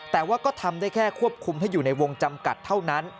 แต่ว่าก็ทำได้แค่ควบคุมให้อยู่ในวงจำกัดเท่านั้น